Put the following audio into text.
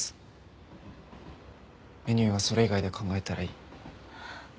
メニューはそれ以外で考えたらいい。